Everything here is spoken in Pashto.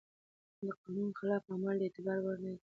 د قانون خلاف عمل د اعتبار وړ نه دی.